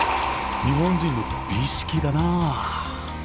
日本人の美意識だなあ。